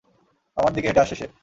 আমার দিকে হেঁটে আসছে সে।